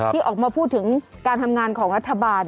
ที่ออกมาพูดถึงการทำงานของรัฐบาล